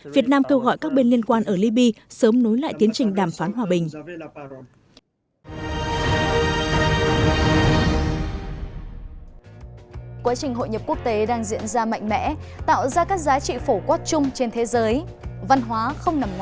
việt nam kêu gọi các bên liên quan ở liby sớm nối lại tiến trình đàm phán hòa bình